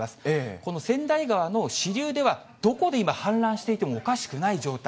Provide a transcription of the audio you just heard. この川内川の支流では、どこで今、氾濫していてもおかしくない状態。